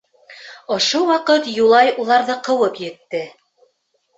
Ошо ваҡыт Юлай уларҙы ҡыуып етте.